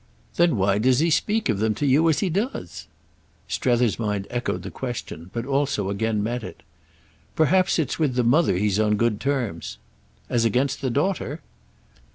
"Then why does he speak of them to you as he does?" Strether's mind echoed the question, but also again met it. "Perhaps it's with the mother he's on good terms." "As against the daughter?"